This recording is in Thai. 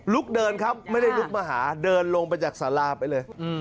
เดินครับไม่ได้ลุกมาหาเดินลงไปจากสาราไปเลย